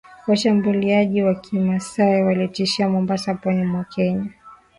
washambuliaji Wa kimasai walitishia Mombasa pwani mwa Kenya